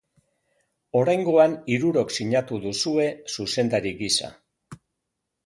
Oraingoan hirurok sinatu duzue zuzendari gisa.